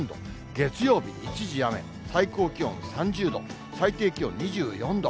月曜日一時雨、最高気温３０度、最低気温２４度。